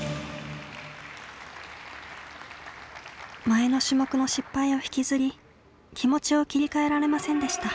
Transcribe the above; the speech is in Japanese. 前の種目の失敗を引きずり気持ちを切り替えられませんでした。